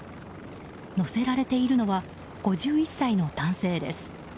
乗せられているのは５１歳の男性です。